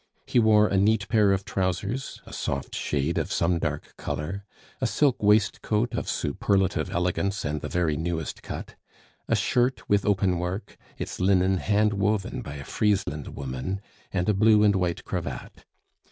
He wore a neat pair of trousers, a soft shade of some dark color, a silk waistcoat of superlative elegance and the very newest cut, a shirt with open work, its linen hand woven by a Friesland woman, and a blue and white cravat.